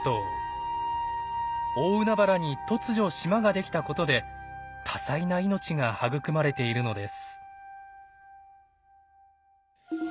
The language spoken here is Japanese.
大海原に突如島ができたことで多彩な命が育まれているのです。